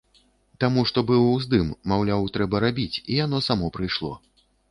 Таму што быў уздым, маўляў, трэба рабіць, і яно само прыйшло.